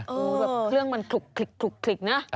โอ้โหแบบเครื่องมันคลุกนะ